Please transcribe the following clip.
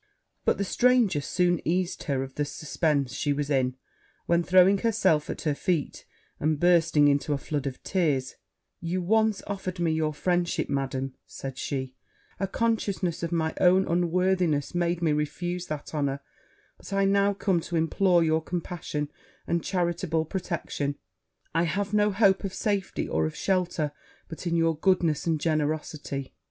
But the stranger soon eased her of the suspense she was in; when, throwing herself at her feet, and bursting into a flood of tears, 'You once offered me your friendship, Madam,' said she: 'a consciousness of my own unworthiness made me refuse that honour; but I now come to implore your compassion and charitable protection. I have no hope of safety, or of shelter, but in your goodness and generosity.'